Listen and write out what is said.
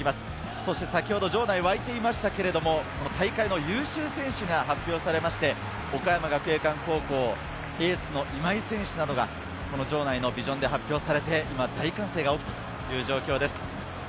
そして先ほど場内がわいていましたけれど、大会の優秀選手が発表されまして、岡山学芸館高校、エースの今井選手などが場内のビジョンで発表されて、今大歓声が起きたという状況です。